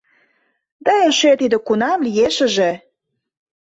— Да эше тиде кунам лиешыже...